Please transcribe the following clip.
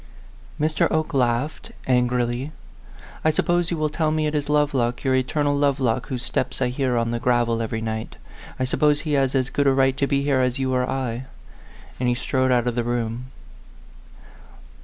Mr. Oke laughed, angrily. "I suppose you will tell me it is Lovelock your eter nal Lovelock whose steps I hear on the gravel every night. I suppose he has as good a right to be here as you or I." And he strode out of the room.